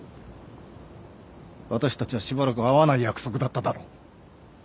私たちはしばらく会わない約束だっただろ。